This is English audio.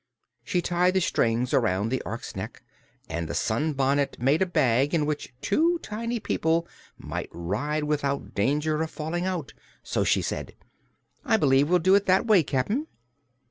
She tied the strings around the Ork's neck and the sunbonnet made a bag in which two tiny people might ride without danger of falling out. So she said: "I b'lieve we'll do it that way, Cap'n."